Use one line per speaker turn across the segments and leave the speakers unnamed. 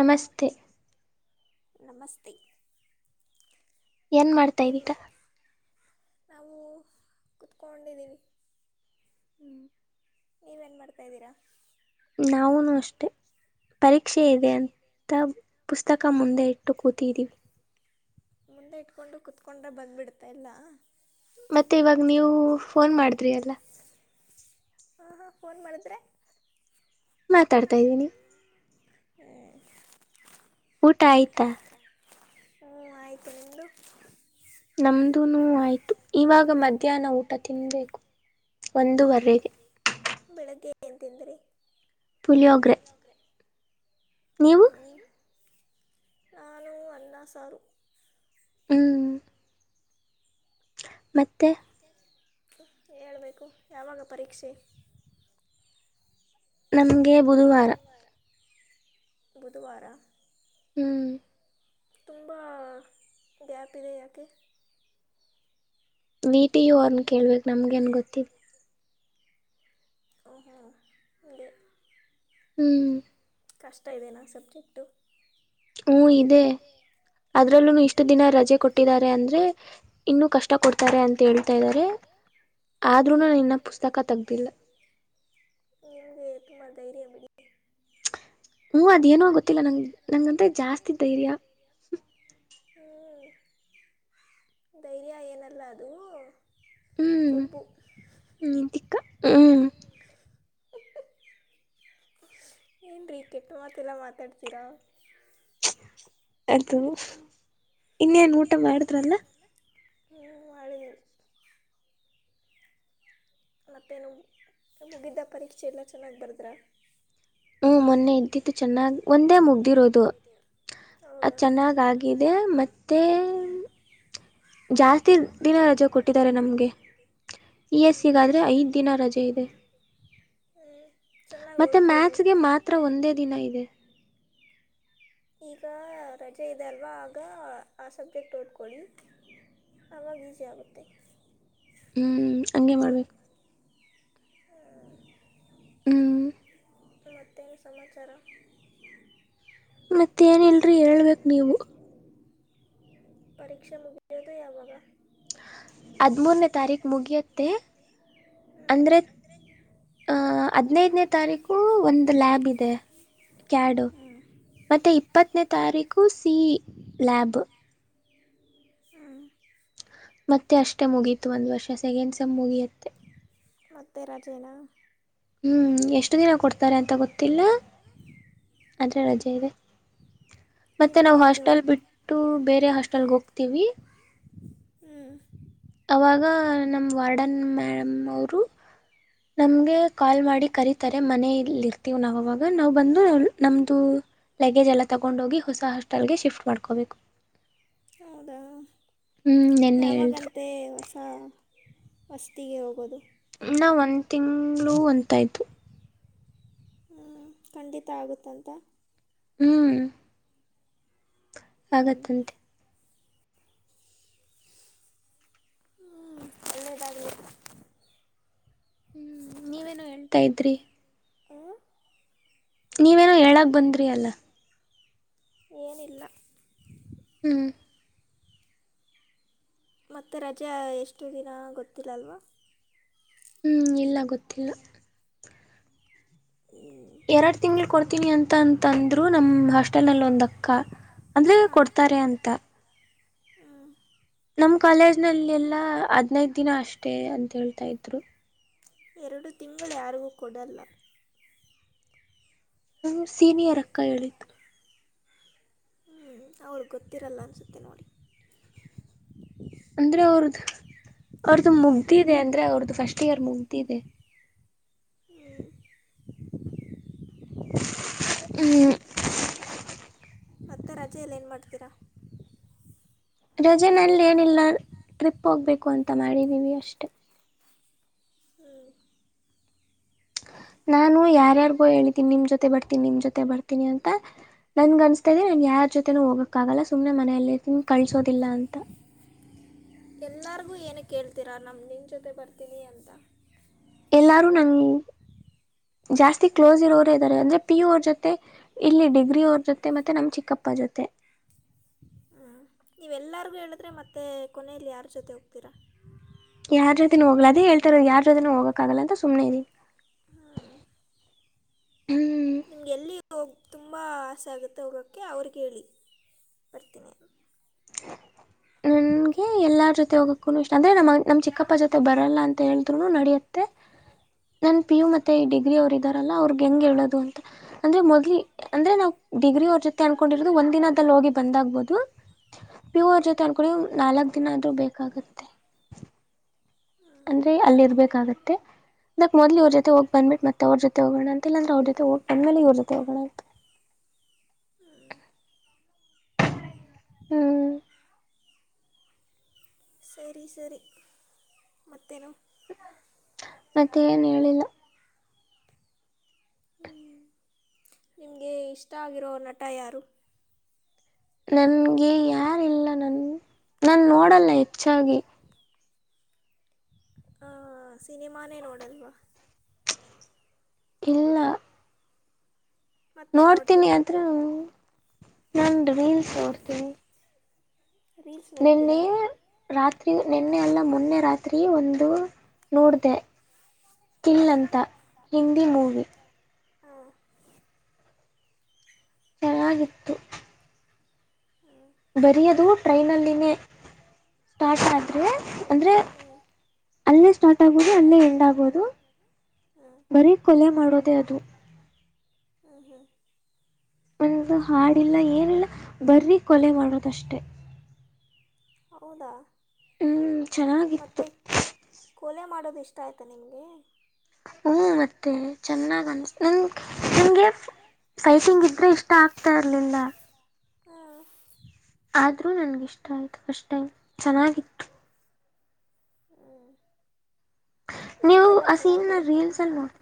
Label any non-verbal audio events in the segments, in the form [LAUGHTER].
ನಮಸ್ತೆ
ನಮಸ್ತೆ [INAUDIBLE]
ಏನ್ ಮಾಡ್ತಾ
ಏನು
ಇದ್ದೀಗ
ಮಾ
[INAUDIBLE]
ನಾವು ಕುತ್ಕೊಂಡಿದ್ದೀನಿ [INAUDIBLE] ನೀವೇನು ಮಾಡಾ್ತಾಯಿದ್ದೀರಾ [INAUDIBLE]
ನವುೂನು ಅಷ್ಟೆ [INAUDIBLE] ಪರೀಕ್ಷೆ ಇದೆ ಅಂತ ಪುಸ್ತಕ ಮುಂದೆ ಇಟ್ಟು ಕೂತಿದ್ದೀವಿ [INAUDIBLE]
ಮುಂದೆ ಇಟ್ಕೊಂಡು ಕುೂತ್ಕೊಂಡ್ರೆ ಬಂದ್ಬಿಡ್ತ ಇಲ್ಲ [INAUDIBLE]
ಮತ್ತೆ ಇವಾಗ ನೀವು ಫೋನ್ ಮಾಡಿದ್ರಿ ಅಲ್ಲ [INAUDIBLE]
ಹಾಂ ಹಾಂ ಫೋನ್ ಮಾಡಿದ್ರೆ.
ಮಾತಾಡ್ತಾ್ದೀನಿ.
ಹ.
ಊಟ ಆಯ್ತಾ.
ಹ್ ಆಯ್ತು ನಿಮ್ಮು.
ನಮ್ದನು ಆಯ್ತು. ಇವಾಗ ಮಧ್ಯಾಹ್ನ ಊಟ ತಿನ್ಬೇಕು ಒಂದೂವರೆಗೆ.
ಏ ತಂದ್ರಿ [INAUDIBLE]
ಪುಲಿಯೋಗ್ರೆ [INAUDIBLE]
ಹ್ಞೂ
ನೀವು [INAUDIBLE]
ಹ್ಞೂ ನಾನು ಅನ್ನ ಸಾರು [INAUDIBLE]
ಹ್ಮ್ [INAUDIBLE] ಮೆ.
ಹೇಬೇಕು ಯಾವಾಗ ಪರೀಕ್ಷೆ.
ನಮ್ಗೆ ಬುಧವಾರ.
ಬುಧವಾರ.
ಹ್ಮ್.
ತುಂಬ ಗ್ಯಾಪ್ ಇದೆ ಯಾಕೆ.
ವಟಿಯು ಅವರ್ನ್ ಕೇಳ್ಬೇಕಕ್ ನಮ್ಗೆನ್ ಗೊತ್ತಿದೆ.
ಹ ಹ ಅ.
ಹ್ಮ್ ಹ್ಮ [INAUDIBLE]
ಕಷ್ಟ ಇದೆ ನಾು ಸಬ್ಜೆಕ್ಟು [INAUDIBLE]
ಹ್ಮ ಇದೆ.
ಹ್ಞೂ
ಅದ್ರಲ್ಲೂ ಇಷ್ಟು ದಿನ ರಜೆ ಕೊಟ್ಟಿದ್ದಾರೆ ಅಂದ್ರೆ ಇನ್ನುೂ ಕಷ್ಟ ಕೊಡ್ತಾರೆ ಅಂತ ಹೇಳ್ತಾ ಇದ್ದಾರೆ.
ಹ.
ಆದ್ರೂನು ಇನ್ನ ಪುಸ್ತಕ ತಗ್ದಿಲ್ಲ.
ಹಗೆ ತುಮಾರ ಧೈರ್ಯ ಬನ್ನ.
ಹ್ಮ್ ಅದೇಏನೋ ಗೊತ್ತಿಲ್ಲ ನಂಗ ನಂಗಂತ ಜಾಸ್ತಿ ಧೈರ್ಯ.
ಹ್ಮ್ ಧೈರ್ಯ ಏನಲ್ಲ ಅದು
ಹ್ಮ್
ಕೊಬು.
ನೀನ್ ತಿಕ್ಕ ಹ್ಮ್.
[UNINTELLIGIBLE] [INAUDIBLE] [INAUDIBLE] ಏನು ರೀ ಕೆಟ್ಟ ಮಾತ್ತಲ್ಲ ಮಾತಾಡ್ತೀರಾ.
ಅರ್ದುು ಇನ್ನೇನ್ ಊಟ ಮಾಡಿದ್ರಲ್ಲ.
ಹ್ಞೂ ಮಾಡಿ ಮತ್ತೇನು ಮುಗಿದ್ದ ಪರೀಕ್ಷೆ ಎಲ್ಲ ಚೆನ್ನಾಗಿ್ ಬರ್ದ್ರ.
ಹ್ಮ್ ಮೊನ್ನೆ ಇದ್ದತ್ತುು ಚೆನ್ನಾಗ್ ಒಂದೇ ಮುಗ್ದಿರೋದು. ಅ
ಹೌದಾ
ಚೆನ್ನಾಗ ಆಗಾಗಿದೆ ಮತ್ತೆ ಜಾಸ್ತಿ ದಿನ ರಜೆ ಕೊಟ್ಟಿದ್ದಾರೆ ನಮ್ಗೆ ಈ ಎಸ್
ಹ್ಞೂ
ಸಿಗಾದ. ೆ ಐದ್ ದಿನ ರಜೆ ಇದೆ.
ಹ್ಞೂ ಚೆನ್ನಾಗಿ
ಮತ್ತೆ
ಓದ್ಕೊಳ್ರಿ
ಮ್ಯಾತ್ಸ್ಗೆ ಮಾತ್ರ ಒಂದೇ ದಿನ ಇದೆ.
[INAUDIBLE] ಈಗ ರಜೆ ಇದೆಲ್ವಾ ಆಗ ಆ ಸಬ್ಜೆಕ್ಟ್ ಓದಕೊಳ್ಳಿ. ಅವಾಗ ಈಜಿ ಆಗುತ್ತೆ.
ಹ್ಮ್ ಹಂಗೆ ಮಾಡ್ಬೇಕು. ಹ್ಮ್.
ಮತ್ತೇನು ಸಮಾಚಾರ.
ಮತ್ತೇಏನಿಲ್ರರಿ ಹೇಳ್ಬೇಕ ನೀವು.
ಪರೀಕ್ಷೆ ಮುಗಿಯೋದು ಯಾವಾಗ.
ಹದ್ಮೂರನೇ ತಾರೀಕು ಮುಗಿಯುತ್ತೆ ಅಂದ್ರೆ.. ಆಹ ಹದ್ನೈದನೇ ತಾರೀಕು ಒಂದು ಲ್ಯಾಬ್ ಇದೆ ಕ್ಯಾಡು..
ಹ್ಞೂ
ಮತ್ತೆ ಇಪ್ಪತ್ತನೇ ತಾರೀಕು ಸಿ ಲ್ಯಾಬ್..
ಹ್ಞೂ
ಮತ್ತೆ ಅಷ್ಟೆ ಮುಗೀತು ಒಂದ್ ವರ್ಷ ಸೆಕೆಂಡ್ ಸೆಮ್ ಮುಗಿಯತ್ತೆ..
ಮತ್ತ ರಜೇನ..
ಹ್ಮ್ ಎಷ್ಟು ದಿನ ಕೊಡ್ತಾರೆ ಅಂತ ಗೊತ್ತಿಲ್ಲ.. ಅದ್ರ
ಹ್ಞೂ
ರಜೆ ಇದೆ.. ಮತ್ತೆ
ನಿಮಗೆ
ನಾವು
ಅದು
ಹಾಸ್ಟೆಲ್ ಬಿಟ್ಟು ಬೇರೆ ಹಾಸ್ಟೆಲ್ಗೆ ಹೋಗ್ತೀವಿ..
ಹ್ಮ್
ಅವಾಗ ನಮ್ಮ್ ವಾರ್ಡನ್ ಮೇಡಮ್ ಅವರು.. ನಮ್ಗೆ ಕಾಲ್ ಮಾಡಿ ಕರೀತಾರೆ ಮನೆಯಲ್ಲಿರ್ತೀವ್ ನಾವ್ ಅವಾಗ ನಾವ್ಬಂದು ನಮ್ದು. ಲಗೇಜ್ ಎಲ್ಲ ತಗೊಂಡೋಗಿ ಹೊಸ ಹಾಸ್ಟೆಲ್ಗೆ ಶಿಫ್ಟ್ ಮಾಡ್ಕೋಬೇಕು.
ಹೌದಾ
ಹ್ಮ್ ನಿನ್ನೆ ಹೇಳಿದ್ರು
ಯಾವಾಗಂತೆ ಹೊಸ. ಅ ವಸ್ತಿಗೆ ಹೋಗೋದು..
ನಾ ಒಂದ್ ತಿಂಗ್ಗಳು ಒಂತಾಯ್ತು..
ಹ ಖಂಡಿತ ಆಗುತ್ತಂತ..
ಹ್ಮ್.
ಹ್ಞೂ
ಆಗತಂತೆ..
ಹ್ಮ್ ಒಳ್ಳೇದಾಗ್ಲಿ..
ಹ್ಮ್ ನೀವೇನು ಹೇಳ್ತಾ ಇದ್ರಿ.
ಹ್ಞೂ
ನೀವೇನೋ ಹೇಳಕ್ ಬಂದ್ರಿ ಅಲ್ಲ
ಏನಿಲ್ಲ..
ಹ್ಮ್.
ಮತ್ತೆ ರಜೆ ಎಷ್ಟು ದಿನ ಗೊತ್ತಿಲ್ಲ ಅಲ್ವಾ..
ಹ್ಮ್ ಇಲ್ಲ ಗೊತ್ತಿಲ್ಲ..
ಹ್ಞೂ
ಎರಡ್ ತಿಂಗ್ಳ ಕೊಡ್ತೀನಿ ಅಂತ ಅಂತ ಅಂದ್ರು ನಮ್ ಹಾಸ್ಟೆಲ್ ನಲ್ಲಿ ಒಂದ.. ಅಕ್ಕ ಅಂದ್ರೆ
ಹಾಂ
ಕೊಡ್ತಾರೆ ಅಂತ..
ಹ್ಞೂ
ನಮ್ ಕಾಲೇಜ್ ನಲ್ಲಿ ಎಲ್ಲಾ ಹದ್ನೈದ ದಿನ ಅಷ್ಟೇ ಅಂತ ಹೇಳ್ತಾ ಇದ್ರು..
ಎರಡು ತಿಂಗಳು ಯಾರಿಗೂ ಕೊಡಲ್ಲ.
ಹುಹು ಸೀನಿಯರ್ ಅಕ್ಕ ಹೇಳಿದ್ದು..
ಹ್ಞ ಅವರಿಗೆ ಗೊತ್ತಿರಲ್ಲ ಅನ್ಸುತ್ತೆ ನೋಡಿ..
ಅಂದ್ರೆ ಅವ್ರ್ದ ಅವ್ರದುು ಮುಗ್ದಿದೆ ಅಂದ್ರೆ ಅವ್ರದ್ದು ಫಸ್ಟ್ ಇಯರ್ ಮುಗ್ದಿದೆ..
ಹ.
ಹ್ಮ್.
ಮತ್ತೆ ರಜೆಯಲ್ಲಿ ಏನು ಮಾಡ್ತೀರಾ.
ರಜೆ ನಲ್ಲಿ ಏನಿಲ್ಲ ಟ್ರಿಪ್ ಹೋಗ್ಬೇಕು ಅಂತ ಮಾಡಿದೀವಿ ಅಷ್ಟೆ..
ಹ್ಞೂ
ನಾನು ಯಾರ್ಯಾರ್ಗೋ ಹೇಳ್ತೀನಿ ನಿಮ್ ಜೊತೆ ಬರ್ತೀನಿ ನಿಮ್ ಜೊತೆ ಬರ್ತೀನಿ ಅಂತ.. ನನ್ಗನ್ಸ್ತಾ ಇದೆ ನಾನ್ ಯಾರ್ ಜೊತೆನೂ ಹೋಗಕ್ಕಾಗಲ್ಲ ಸುಮನೆ ಮನೆಯಲ್ಲಿನ್ ಕಳ್ಸೋದಿಲ್ಲ ಅಂತ..
ಎಲ್ಲರಿಗೂ ಏನ ಕೇಳ್ತೀರಾ ನಮ ನಿನ್ನ ಜೊತೆ ಬರ್ತೀನಿ ಅಂತ..
ಎಲ್ಲಾರೂ ನಂ. ಜಾಸ್ತಿ ಕ್ಲೋಸ್ ಇರೋರೇ ಇದ್ದಾರೆ ಅಂದ್ರೆ ಪಿ ಯು ಅವರ್ ಜೊತೆ ಇಲ್ಲಿ ಡಿಗ್ರಿ ಅವ್ರ ಜೊತೆ ಮತ್ತೆ ನಮ್ ಚಿಕ್ಕಪ್ಪ.. ಗಪ್ಪ ಜೊತೆ..
[UNINTELLIGIBLE] ಹಾ ನೀವೆಲ್ಲರಿಗೂ ಹೇಳಿದ್ರೆ ಮತ್ತೆ ಕೊನೆಯಲ್ಲಿ ಯಾರ ಜೊತೆ ಹೋಗ್ತೀರಾ..
ಯಾರ್ ಜೊತೆ ಹೋಗ್ಲ ಅದ ಹೇಳ್ತಾರೋ ಯಾರ್ ಜೊತೆನೂ ಹೋಗಕ್ ಆಗಲ್ಲ ಅದು ಸು್ನೆ ಇದೀನಿ.
ಹ್ಞೂ ನಿಮ್ಗೆ ಎಲ್ಲಿ ಹೋಗ.. ತುಂಬ ಆಸೆ ಆಗುತ್ತೆ ಹೋಗೋಕ್ಕೆ ಅವ್ರಿಗೆ ಹೇಳಿ ಬರ್ತೀನಿ.. [UNINTELLIGIBLE]
ಎಲ್ಲಾರ ಜೊತೆ ಹೋಗಕ್ಕು ಇಷ್ಟ ಅಂದ್ರೆ ನಮ್ಮ ನಮ್ ಚಿಕ್ಕಪ್ಪ ಜೊತೆ ಬರಲ್ಲ ಅಂತ ಹೇಳಿದ್ರುನು ನಡಿಯತ್ತೆ.. ನನ್ ಪಿ ಯು ಮತ್ತೆ ಡಿಗ್ರಿ ಅವರು ಇದ್ದಾರಲ್ಲ ಅವ್ರಗ್ ಹೆಂಗ ಹೇಳೋದು ಅಂತ ಅಂದ್ರೆ ಮೊದ್ಲಿ ಅಂದ್ರೆ ನಾವ್. ಡಿಗ್ರಿ ಅವ್ರ ಜೊತೆ ಅನ್ಕೊಂಡಿರೋದು ಒಂದ್ನದಲ್ಲಿ ಹೋಗಿ ಬಂದ್ ಆ್ಬಹುದು..
ಹ್ಞೂ
ಪ್ಯೂರ್ ಜೊತೆ ಅನ್ಕೊಂಡಿ ನಾಲ್ಕ್ ದಿನ ಆದ್ರೂ ಬೇಕಾಗತ್ತೆ
ಹ್ಞೂ
ಅಂದ್ರೆ ಅಲ್ಲಿರ್ಬೇಕಾಗತ್ತೆ ಇದಾ ಮೊದ್ಲ ಇವ್ರ ಜೊತೆ ಹೋಗ್ ಬಂದಬಿಟ್ಟ ಮತ್ತ ಅವ್ರ ಜೊತೆ ಹೋಗೋಣ ಅಂತ ಅಂದ್ರ ಅವ್ರ ಜೊತೆ ಹೋಗ್ ಬಂದ ಮೇಲೆ ಇ್ರ ಜೊತೆ ಹೋಗೋಣ ಅಂತ
[UNINTELLIGIBLE]
ಹ್ಮ್
ಸರಿ ಸರಿ ಮತ್ತೇನು
ಮತ್ತೆ ಏನ್ ಹೇಳಿಲ್ಲ್
ನಿಮಗೆ ಇಷ್ಟ ಆಗಿರೋ ನಟ ಯಾರು.
ನನ್ಗೆ ಯಾರಿಲ್ಲ ನನ್ ನನ್ ನೋಡಲ್ಲ ಹೆಚ್ಚಾಗಿ
ಸಿನಿಮಾನೇ ನೋಡಲ್ವಾ..
ಇಲ್ಲ..
ಮತ್ತೆ
ನೋಡ್ತೀನಿ
ನೋಡ್ತೀರಾ
ಆದ್ರ
ನೀವು
ನನ ರೀಲ್ಸ್ ನೋಡ್ತೀನಿ
ರೀಲ್ಸ್
ನಿನ್ನೆ
ನೋಡ್ತೀರಾ
ರಾತ್ರಿ ನಿನ್ನೆ ಅಲ್ಲ ಮೊನ್ನೆ ರಾತ್ರಿ ಒಂದು ನೋಡಿದೆ ಕಿಲ್ ಅಂತ ಹಿಂದಿ ಮೂವಿ.
ಹಾ
ಚೆನ್ನಾಗಿತ್ತು.
ಹ್ಞೂ
ಬರೀಯದು ಟ್ರೈನಲ್ಲಿನೇ ಸ್ಟಾರ್ಟ್ ಆದ್ರೆ ಅಂದ್ರೆ
ಹ್ಞೂ
ಅಲ್ಲೇ ಸ್ಟಾರ್ಟ್ ಆಗ್ಬೋದು ಅಲ್ಲೇ ಎಂಡ್ ಆಗ್ಬೋದು
ಹ್ಞೂ
ಬರೀ ಕೊಲೆ ಮಾಡೋದೆೇ ಅದು
ಹ್ಮ್ ಹ್ಮ್
ಒಂದು ಹಾಡಿಲ್ಲ ಏನಿಲ್ಲ ಬರ್ರಿ ಕೊಲೆ ಮಾಡೋದಷ್ಟೆ
ಹೌದಾ
ಹ್ಮ್
ಮತ್ತು
ಚೆನ್ನಾಗಿತ್ತು
ಕೋಲೆ ಮಾಡೋದು ಇಷ್ಟ ಆಯಿತಾ ನಿನಗೆ
ಹ್ಮ ಮತ್ತೆ ಚೆನ್ನಾಗ ಅನ್ಸ ನಂಗೆ ಸೈಟಿಂಗ್ ಇದ್ರೆ ಇಷ್ಟ ಆಗ್ತಾ ಇರ್ಲಿಲ್ಲ
ಹಾಂ
ಆದ್ರೂ ನನ್ಗಿಷ್ಟ ಆಯ್ತು ಫಸ್ಟ್ ಟೈಮ್ ಚೆನ್ನಾಗಿತ್ತು.
ಹ್ಮ್
ನೀವು ಆ ಸೀನ್ ನ ರೀಲ್ಸ್ ಅಲ್ಲಿ ನೋಡಿ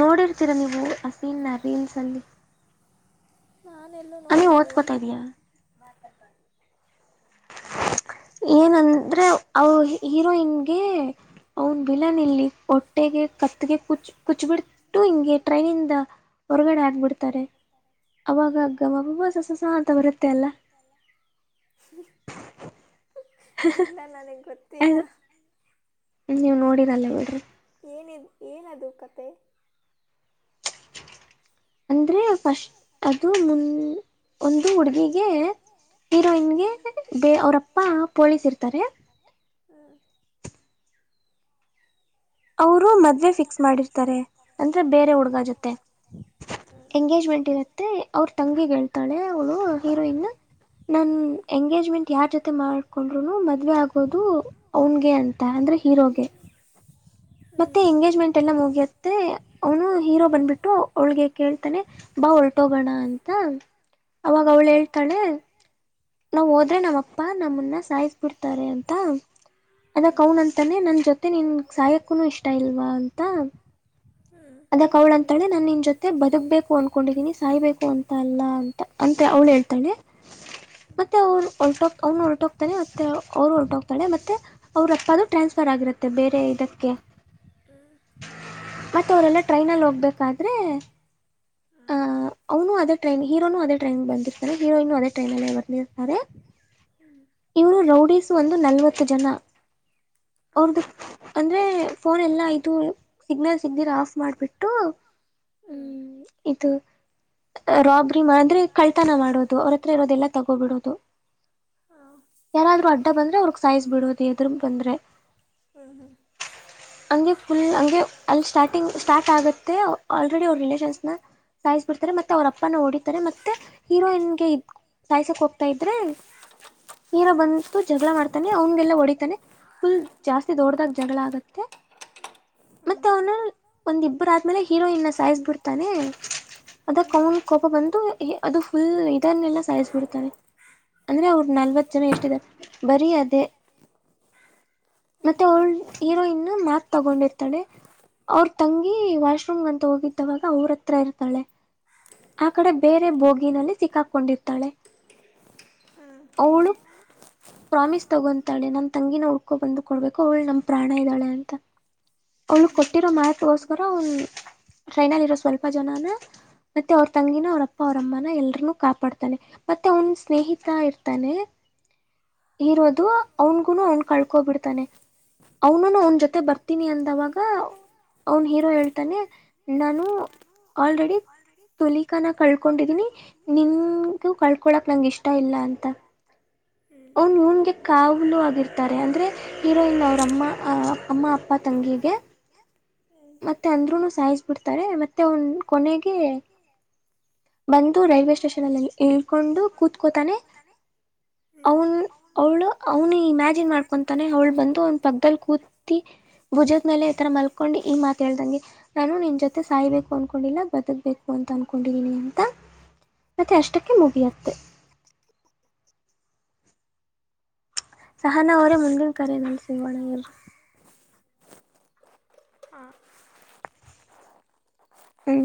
ನೋಡಿರ್ತೀರ ನೀವು ಆ ಸೀನ್ ನ ರೀಲ್ಸ್ ಅಲ್ಲಿ
ನಾನೆಲ್ಲೂ
ಅ ನೀವ್
ನೋಡಿಲ್ವಲ್ಲ
ಓದ್ಕೋತಾ ಇದೀಯಾ
[UNINTELLIGIBLE]
ಏನಂದ್ರೆ ಅವ ಹೀರೋಯಿನ್ಗೆ ಅವನ್ ವಿಲನ್ ಇಲ್ಲಿ ಒಟ್ಟು ಕಟ್ಟೆಗೆ ಕತ್ಗೆ ಕುಚ್ ಕುಚ್ಬಿಟ್ಟು ಹಿಂಗೆ ಟ್ರೈನಿಂದ ಹೊರಗಡೆ ಆಗ್ಬಿಡ್ತಾರೆ
ಹ್ಞೂ
ಅವಾಗಗ್ಗಮ್ಮ ಪಬಸ ಹೊಸಸ ಅಂತ ಬರುತ್ತೆ ಅಲ್ಲಾ
ಹ್ಮ ಇಲ್ಲ ನನಗೆ ಗೊತ್ತಿಲ್ಲ
ಅದು ನೀವ್ ನೋಡಿರಲ್ಲ ಬಿೇಡ್ರಿ
ಏನಿದ ಏನದು ಕತೆ [UNINTELLIGIBLE]
ಅಂದ್ರೆ ಫಸ್ಟ್ ಅದು ಮುನ್ ಒಂದು ಹುಡುಗಿಗೆ ಹೀರೋಯಿನ್ಗೆ ಬ ಅವ್ರಪ್ಪ ಪೊಲೀಸ್ ಇರ್ತಾರೆ
ಹ
ಅವರು ಮದ್ವೆ ಫಿಕ್ಸ್ ಮಾಡಿರ್ತಾರೆ ಅಂದ್ರೆ ಬೇರೆ
ಹ್ಞೂ
ಹುಡ್ಗ ಜೊತೆ ಎಂಗೇಜ್ಮೆಂಟ್ ಇರುತ್ತೆ ಅವ್ರ ತಂಗಿಗ್ ಹೇಳ್ತಾಳೆ ಅವಳು ಹೀರೋಯಿನ್ ನನ್ ಎಂಗೇಜ್ಮೆಂಟ್ ಯಾರ್ ಜೊತೆ ಮಾಡ್ಕೊಂಡ್ರುನು ಮದ್ವೆ ಆಗೋದು ಅವನ್ಗೆ ಅಂತ ಅಂದ್ರೆ ಹೀರೋಗೆ
ಹ್ಞೂ
ಮತ್ತೆ ಎಂಗೇಜ್ಮೆಂಟ್ ಎಲ್ಲ ಮುಗಿಯತ್ತೆ ಅವನು ಹೀರೋ ಬಂದ್ಬಿಟ್ಟು ಅವಳ್ಗೆ ಕೇಳ್ತಾನೆ. ಹೊಲ್ಟೋಗೋಣ ಅಂತ ಅವಾಗ
ಹ್ಞೂ
ಅವ್ಳು
ಹ್ಞೂ
ಹೇಳ್ತಾಳೆ. ನಾವ್ ಹೋದ್ರೆ ನಾವ್ಪ್ಪಾ ನಮ್ಮನ್ನ ಸಾಯಿಸ ಬಿಿಡ್ತಾರೆ ಅಂತ.
ಹ್ಮ್
ಅದಕ್ ಅವನ ಅಂತಾನೆ ನನ್ ಜೊತೆ ನಿನ್ ಸಾಯಕುನು ಇಷ್ಟ ಇಲ್ವಾ ಅಂತ.
ಹ್ಮ್
ಅದಕ್ ಅವ್ಳ ಅಂತಾಳೆ ನಾನನ್ ನಿನ್ ಜೊತೆ ಬದುಕ್ಬೇಕು ಅನ್ಕೊಂಡಿದೀನಿ ಸಾಯ್ಬೇಕು ಅಂತ ಅಲ್ಲ ಅಂತ ಅ. ಕಳ ಹೇಳ್ತಾಳೆ.
ಹ್ಮ್
ಮತ್ತೆ ಅವ್ರು ಹೊಟ ಅವ್ನು ಹೊರಟೋಗ್ತಾನೆ ಮತ್ತೆ ಅವ್ರು ಹೊರಟೋಗ್ತಾನೆ ಮತ್ತೆ ಅವ್ರ ಅಪ್ಪ ಅದು ಟ್ರಾನ್ಸ್ಫರ್ ಆ. ಆಗಿರುತ್ತೆ ಬೇರೆ ಇದಕ್ಕೆ.
ಹ.
ಮತ್ತ ಅವರೆಲ್ಲಾ ಟ್ರೈನಲ್ಲಿ ಹೋಗ್ಬೇಕಾದ್ರೆ ಅ ಅವನು ಅದೇ ಟ್ರೈನ್ ಹೀರೋನು ಅದೇ ಟ್ರೈನ್ ಬಂದಿರ್ತಾನೆ ಹೀರೋಯನ್ ಅದೇ ಟ್ರೈನ್ ನಲ್ಲಿ ಬಂದಿರ್ತಾರೆ ಇವರು ರೌಡೀಸ್ ಒಂದು ನಲ್ವತ್ತು ಜನಾ
ಹಾಂ
ಅವ್ರ್ದು
ಹಾಂ
ಅಂದ್ರೆ ಫೋನ್ ಎಲ್ಲ ಇದು ಸಿಗ್ನಲ್ ಇದಿರ ಆಫ್ ಮಾಡಿಬಿಟ್ಟು ಹ್ ಇದು. ರಾಬ್ರಿ ಮಾಡ್ರೆ ಕಳ್ತನ ಮಾಡೋದು ಅವ್ರ ಹತ್ರ ಇರೋದೆಲ್ಲ ತಗೋಬಿಡೋದು. ಯಾರಾದ್ರೂ ಅಡ್ಡ ಬಂದ್ರೆ ಅವ್ರಗ್ ಸೈಜ್ ಬಿಡುವುದು ಎರು ಬಂದ್ರೆ.
ಹ್ಮ್
ಅಗೆೆ ುಲ್ ಅಗೆೆ. ಅಲ್ಲಿ ಸ್ಟಾರ್ಟಿಂಗ್ ಸ್ಟಾರ್ಟ್ ಆಗುತ್ತೆ ಆಲ್ರೆಡಿ ಅವ್ರ ರಿಲೇಷನ್ಸ್ ನ. ಸಾಯಸ್ ಬಿಡ್ತಾರೆ ಮತ್ತೆ ಅವ್ರ ಅಪ್ಪನ ಓಡಿತಾರೆ ಮತ್ತೆ ಹೀರೋಯಿನ್ಗೆ ಇದ ಸಾಯ್ಸಕ್ ಹೋಗ್ತಾ ಇದ್ರೆ. ನೀರೋ ಬಂತು ಜಗಳ ಮಾಡ್ತಾನೆ ಅವನ್ಗೆಲ್ಲ ಹೊಡಿತಾನೆ. ಫುಲ್ ಜಾಸ್ತಿ ದೊಡ್ದಾಗ ಜಗಳ ಆಗತ್ತೆ.
ಹಾ.
ಒಂದಿಬ್ಬರ ಆದ್ಮೇಲೆ ಹೀರೋಯನ್ನ ಸಾಯಜ್ ಬಿಡ್ತಾನೆ. ಅದ ಕನ್ ಕೋಪ ಬಂದು ಅದು ಫುಲ್ ಇದನ್ನೆಲ್ಲಾ ಸಾಯಿಸ್ಬಿಡತೆ. ಅಂದ್ರೆ ಅವರು ನಲ್ವತ್ ಜನ ಎಷ್ಟಿದ್ದಾರೆ ಬರೀ ಅದೇ. ಮತ್ತೆ ಅವಳ ಈರೋ ಇನ್ನು ಮಾತ್ ತಗೊಂಡಿರ್ತಾಳೆ. ಅವ್ರ ತಂಗಿ ವಾಶ್ರೂಮ್ ಅಂತ ಹೋಗಿದ್ದವಾಗ ಅವ್ರತ್ರ ಇರ್ತಾಳೆ. ಆ ಕಡೆ ಬೇರೆ ಬೋಗಿನಲ್ಲಿ ಸಿಕ್ಕಾಕೊಂಡಿರ್ತಾಳೆ. ಅವಳು ಪ್ರಾಮಿಸ್ ತಗೊತಾಳೆ ನಂತ. ತಂಗಿನ ಉಡ್ಕೊ ಬಂದು ಕೊಡ್ಬೇಕು ಅವಳು ನಮ್ ಪ್ರಾಣ ಇದ್ದಾಳೆ ಅಂತ.
ಹ್ಞೂ ಹ್ಞೂ ಹ್ಞೂ ಹ್ಞೂ ಹ್ಞೂ ಹ್ಞೂ
ಅವಳು
ಹ್ಞೂ
ಕೊಟ್ಟಿರೋ ಮಾರ್ತ್ಗೋಸ್ಕರ ಅವ ಟ್ರೈನಲ್ಲಿ ಇರೋ ಸ್ವಲ್ಪ ಜನಾನ. ಮತ್ತೆ ಅವ್ರ ತಂಗಿನ ಅವ್ರಪ್ಪ ಅವ್ರಮ್ಮನ ಎಲ್ರನುೂ ಕಾಪಾಡ್ತಾನೆ ಮತ್ತೆ ಅವನ ಸ್ನೇಹಿತ ಇರ್ತಾನೆ.
ಅ.
ಇರೋದು ಅವನ್ಗುನು ಅವನ್ ಕಳ್ಕೋಬಿಡ್ತಾನೆ ಅವ್ನುನು ಅವನ ಜೊತೆ
ಹ್ಞೂ
ಬರ್ತೀನಿ ಅಂತ. ಾಗ ಅವನ ಹೀರೋ ಹೇಳ್ತಾನೆ ನಾನು ಆಲ್ರೆಡಿ. ತೊಲಿಕಾನ ಕಳ್ಕೊಂಡಿದೀನಿ ನಿನ್ಗೂ ಕಳ್ಕೊಳಕ್ ನಂಗ ಇಷ್ಟ ಇಲ್ಲ ಅಂತ. ಅವನ್
ಹ್ಞೂ
ನ್ಗೆ ಕಾವಲು ಆಗಿರ್ತಾರೆ ಅಂದ್ರೆ ಹೀರೋ ಇನ್ ಅವ್ರ ಅಮ್ಮ ಅ ಅಮ್ಮ ಅಪ್ಪ ತಂಗಿ. ಹಗೆ. ಮತ್ತೆ ಅಂದ್ೂನು ಸೈಜ್ ಬಿಡ್ತಾರೆ ಮತ್ತೆ ಒನ್ ಕೊನೆಗೆ ಬಂದು ರೈಲ್ವೆ ಸ್ಟೇಷನ್ಲ್ಲಿ ಇಳ್ಕೊಂಡು ಕೂತ್ಕೋತಾನೆ
ಹ್ಞೂ
ಅವನ್ ಅವಳು ಅವನು ಇಮ್ಯಾಜಿನ್ ಮಾಡ್ಕೊಂತಾನೆ ಅವ್ಳು ಬಂದು ಅವನ್ ಪಕ್ಕದಲ್ಲಿ ಕೂತಿ ಪೂಜತ್ನಲೆ ಎತ್ತ ಮಲ್ಕೊಂಡಿ ಹೇಳ್ದಂಗೆ ನಾನು ನಿನ್ ಜೊತೆ ಸಾಯ್ಬೇಕು ಅನ್ಕೊಂಡಿಲ್ಲ ಬದಕ್ಬೇಕು ಅಂತ ಅನ್ಕೊಂಡಿದೀನಿ ಅಂತ ಮತ್ತೆ ಅಷ್ಟಕ್ಕೆ ಮುಗಿಯತ್ತೇ
[INAUDIBLE]
ಸಹನ ಅವರೇ ಮುಂದಿನ ಕರೆನಲ್ಲಿ ಸಿಗೋಣ ಎಲ್ರು.
ಹಾ.
ಹ್ಮ.